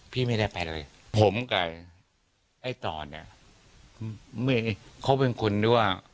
พี่ไม่ได้ไปเลยผมกับไอ้ต่อเนี่ยเขาเป็นคนที่ว่า